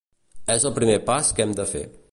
És el primer pas que hem de fer.